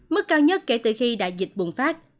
mức cao nhất kể từ khi đại dịch bùng phát